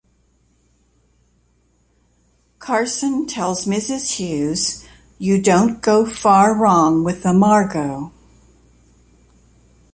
Carson tells Mrs Hughes You don't go far wrong with a Margaux.